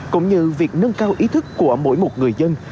cũng như việc nâng cao ý thức của mỗi một người dân